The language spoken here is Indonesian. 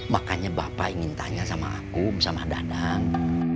makanya bapak ingin tanya sama aku sama danang